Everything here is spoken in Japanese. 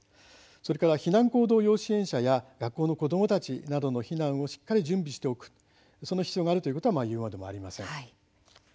それから避難行動要支援者や学校の子どもたちの避難をしっかり準備しておくその必要があることは言うまでもありません。